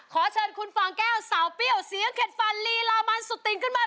ขอเชิญคุณฟางแก้วสาวเปรี้ยวเสียงเข็ดฟันลีลามันสุดติงขึ้นมา